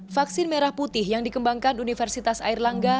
vaksin merah putih yang dikembangkan universitas air langga